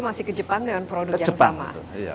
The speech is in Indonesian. masih ke jepang dengan produk yang sama